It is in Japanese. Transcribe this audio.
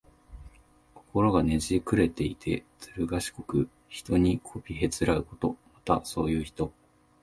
心がねじくれていて、ずるがしこく、人にこびへつらうこと。また、そういう人。